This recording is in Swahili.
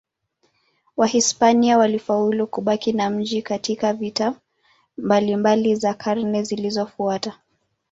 Wahispania walifaulu kubaki na mji katika vita mbalimbali za karne zilizofuata.